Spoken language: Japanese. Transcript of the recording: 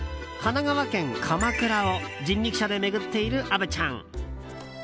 神奈川県・鎌倉を人力車で巡っている虻ちゃん。